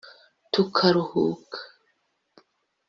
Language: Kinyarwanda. tukaruhuka